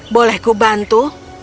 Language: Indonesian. boleh ku bantu